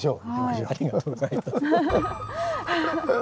ありがとうございます。